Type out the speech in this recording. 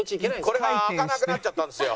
これが開かなくなっちゃったんですよ。